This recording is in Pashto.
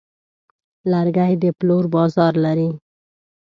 لرګی د پلور بازار لري.